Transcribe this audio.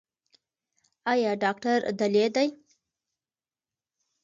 ایا ډاکټر دلې دی؟